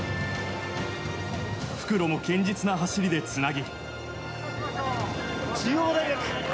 復路も堅実な走りでつなぎ。